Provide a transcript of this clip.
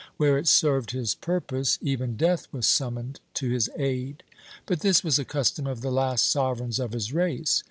Where it served his purpose, even death was summoned to his aid; but this was a custom of the last sovereigns of his race.